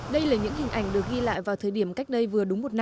đây là những hình ảnh được ghi lại vào thời điểm cách đây vừa đúng một năm